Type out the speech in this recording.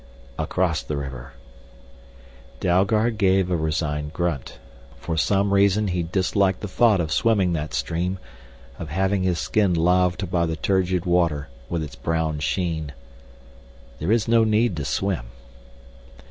"Across the river " Dalgard gave a resigned grunt. For some reason he disliked the thought of swimming that stream, of having his skin laved by the turgid water with its brown sheen. "There is no need to swim."